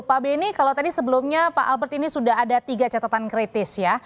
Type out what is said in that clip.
pak benny kalau tadi sebelumnya pak albert ini sudah ada tiga catatan kritis ya